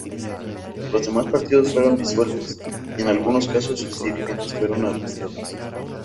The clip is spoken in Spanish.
Los demás partidos fueron disueltos y en algunos casos sus dirigentes fueron arrestados.